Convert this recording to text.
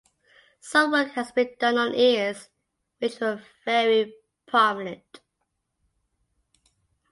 Some work has been done on ears which were very prominent.